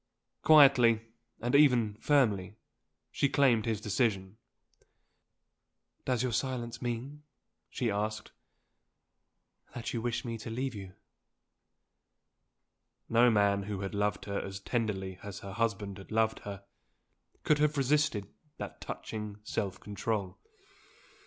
Quietly, and even firmly, she claimed his decision. "Does your silence mean," she asked, "that you wish me to leave you?" No man who had loved her as tenderly as her husband had loved her, could have resisted that touching self control.